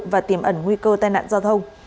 và tiềm ẩn nguy cơ tai nạn giao thông